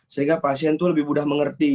sehingga pasien itu lebih mudah mengerti